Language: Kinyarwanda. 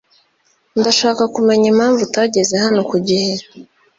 Ndashaka kumenya impamvu utageze hano ku gihe.